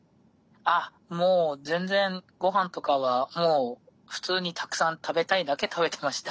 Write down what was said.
あっもう全然ごはんとかはもう普通にたくさん食べたいだけ食べてました。